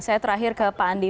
saya terakhir ke pak andi